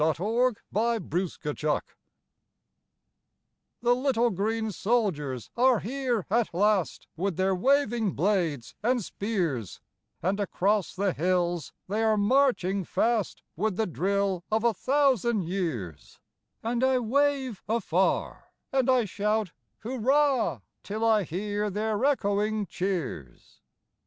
THE BONNIE PRINCE O' SPRING The little green soldiers are here at last, With their waving blades and spears; And across the hills they are marching fast With the drill of a thousand years: And I wave afar, and I shout, Hurrah! Till I hear their echoing cheers.